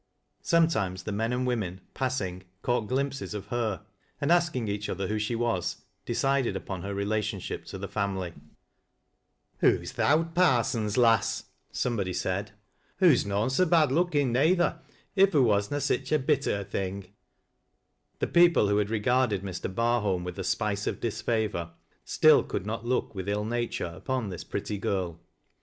Sometimes the men and women, passing, caught glimpses of her, and, asking each other who she was, decided upon her relationship to the family. "Hoo's th' owd parson's lass," somebody said. " IIoo'b uoan so bad lookin' neyth^r, if hoo was na sich a bit o' a thing." The people who had regarded Mr. Barholm with a epice of disfavor, still could not look with ill nature upon this pretty girl.